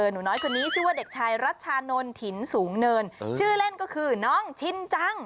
หนูน้อยคนนี้ชื่อว่าเด็กชายรัชชานนท์ถิ่นสูงเนินชื่อเล่นก็คือน้องชินจัง